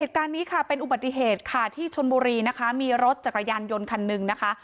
เหตุการณ์นี้ค่ะเป็นอุบัติเหตุค่ะที่ชนบุรีนะคะมีรถจักรยานยนต์คันหนึ่งนะคะ